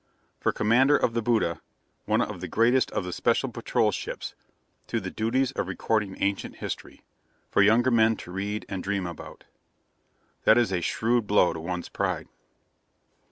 From commander of the Budi, one of the greatest of the Special Patrol ships, to the duties of recording ancient history, for younger men to read and dream about. That is a shrewd blow to one's pride.